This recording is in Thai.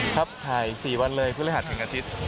ครับถ่าย๔วันเลยพฤหาส๑อาทิตย์